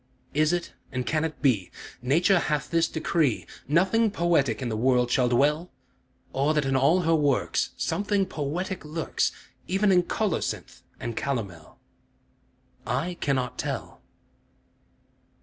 Is it, and can it be, Nature hath this decree, Nothing poetic in the world shall dwell? Or that in all her works Something poetic lurks, Even in colocynth and calomel? I cannot tell.